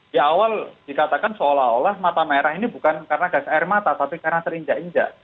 di awal dikatakan seolah olah mata merah ini bukan karena gas air mata tapi karena terinjak injak